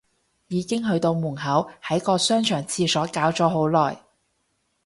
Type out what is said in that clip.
已經去到門口，喺個商場廁所搞咗好耐